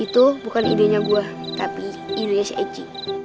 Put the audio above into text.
itu bukan idenya gua tapi idenya si eci